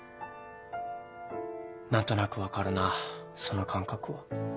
何となく分かるなその感覚は。